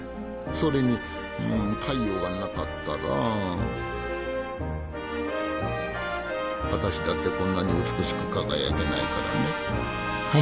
それに太陽がなかったらあたしだってこんなに美しく輝けないからね。